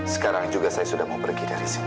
sekarang juga saya sudah mau pergi dari sini